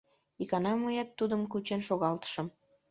Икана мыят тудым кучен шогалтышым.